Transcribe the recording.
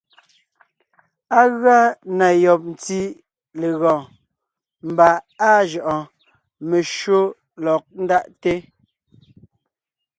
Á gʉa na yɔb ntí legɔɔn, mbà áa jʉʼɔɔn, meshÿó lɔg ńdaʼte.